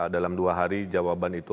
dalam dua hari jawaban itu